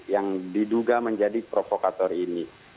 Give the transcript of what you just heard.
yang diduga menjadi provokator ini